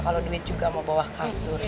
kalau duit juga mau bawa kasur